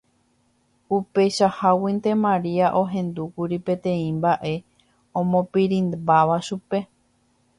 Upeichaháguinte Maria ohendúkuri peteĩ mba'e omopirĩmbáva chupe.